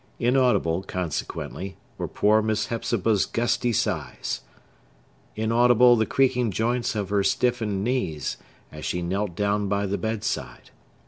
Inaudible, consequently, were poor Miss Hepzibah's gusty sighs. Inaudible the creaking joints of her stiffened knees, as she knelt down by the bedside.